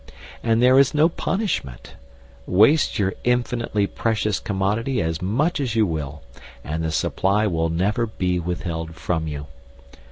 And there is no punishment. Waste your infinitely precious commodity as much as you will, and the supply will never be withheld from you.